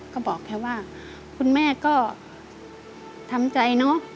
ก็บอกแค่ว่าคุณแม่ก็ทำใจเนอะ